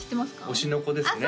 「推しの子」ですねあっ